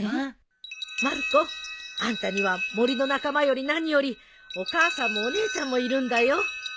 あんたには森の仲間より何よりお母さんもお姉ちゃんもいるんだよ。